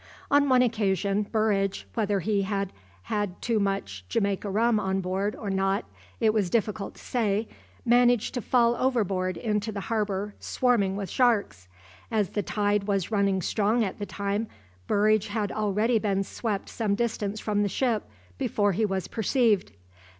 On one occasion, Burridge, whether he had had too much Jamaica rum on board or not it was difficult to say, managed to fall overboard into the harbour swarming with sharks. As the tide was running strong at the time, Burridge had already been swept some distance from the ship before he was perceived.